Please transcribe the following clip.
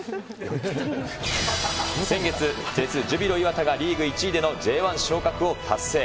先月、Ｊ２、ジュビロ磐田がリーグ１位でのＪ１昇格を達成。